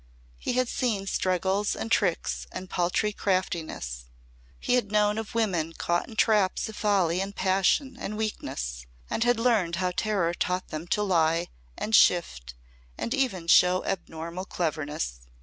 He had seen struggles and tricks and paltry craftiness. He had known of women caught in traps of folly and passion and weakness and had learned how terror taught them to lie and shift and even show abnormal cleverness.